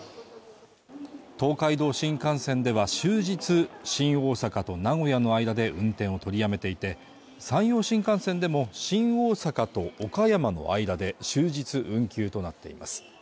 東海道新幹線では終日新大阪と名古屋の間で運転を取りやめていて山陽新幹線でも新大阪と岡山の間で終日運休となっています